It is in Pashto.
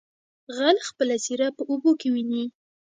ـ غل خپله څېره په اوبو کې ويني.